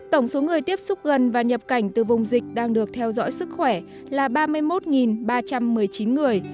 tổng số người tiếp xúc gần và nhập cảnh từ vùng dịch đang được theo dõi sức khỏe là ba mươi một ba trăm một mươi chín người